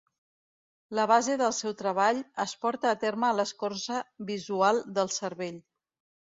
La base del seu treball es porta a terme a l"escorça visual del cervell.